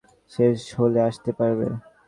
শেষ হলে আসতে পারবে?